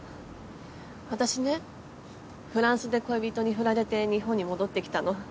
私ねフランスで恋人に振られて日本に戻ってきたの。